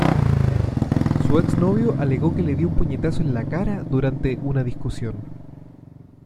Su ex-novio alegó que le dio un puñetazo en la cara durante una discusión.